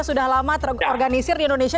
sudah lama terorganisir di indonesia